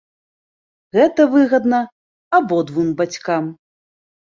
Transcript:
Гэта выгадна абодвум бацькам.